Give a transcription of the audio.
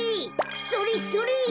それそれ！